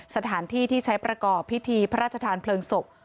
สถานที่ที่ใช้ประกอบพิธีพระราชทานเพลิงศพ